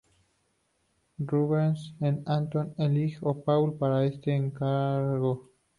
Rubens y Anton eligen a Paul para este encargo.